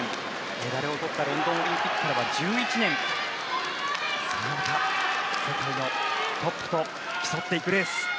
メダルを取ったロンドンオリンピックから１１年世界のトップと競っていくレース。